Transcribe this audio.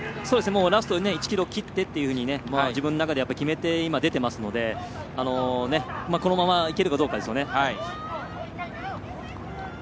ラスト１ｋｍを切ってと自分の中で決めて出ていますのでこのままいけるかどうかですよね。